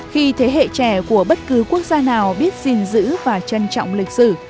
khi thế hệ trẻ của bất cứ quốc gia nào biết gìn giữ và trân trọng lịch sử